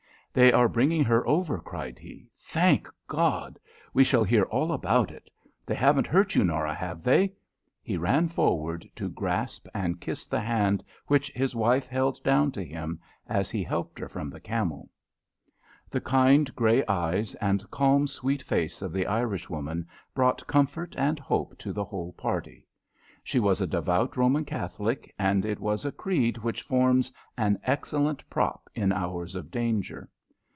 "They are bringing her over," cried he. "Thank God! We shall hear all about it. They haven't hurt you, Norah, have they?" He ran forward to grasp and kiss the hand which his wife held down to him as he helped her from the camel. [Illustration: They haven't hurt you, Norah, have they p139] The kind, grey eyes and calm, sweet face of the Irishwoman brought comfort and hope to the whole party. She was a devout Roman Catholic, and it is a creed which forms an excellent prop in hours of danger.